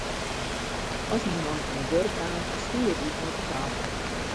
As myn man fan it wurk kaam, stie it iten op 'e tafel.